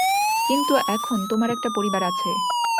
কিন্তু এখন, তোমার একটা পরিবার আছে।